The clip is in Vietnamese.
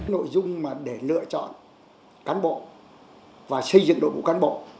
nội dung để lựa chọn cán bộ và xây dựng đội ngũ cán bộ